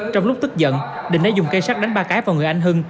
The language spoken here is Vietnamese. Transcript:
trong lúc tức giận định đã dùng cây sắt đánh ba cái vào người anh hưng